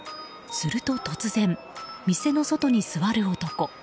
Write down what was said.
すると突然、店の外に座る男。